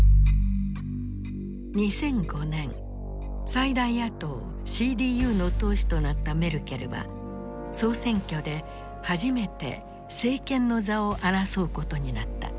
最大野党ＣＤＵの党首となったメルケルは総選挙で初めて政権の座を争うことになった。